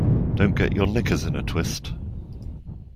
Don't get your knickers in a twist